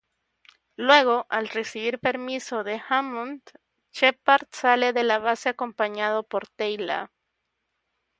Luego, al recibir permiso de Hammond, Sheppard sale de la base acompañado por Teyla.